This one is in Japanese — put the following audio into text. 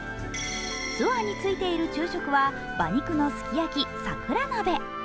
ツアーに付いている昼食は馬肉のすき焼き、桜鍋。